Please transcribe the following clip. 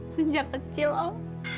sejak kecil om